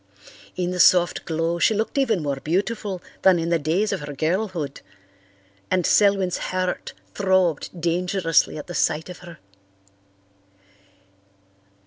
In the soft glow she looked even more beautiful than in the days of her girlhood, and Selwyn's heart throbbed dangerously at sight of her.